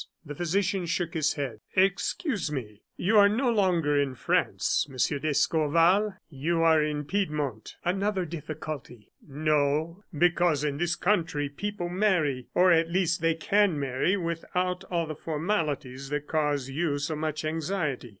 The physician shook his head. "Excuse me, you are no longer in France, Monsieur d'Escorval, you are in Piedmont." "Another difficulty!" "No, because in this country, people marry, or at least they can marry, without all the formalities that cause you so much anxiety."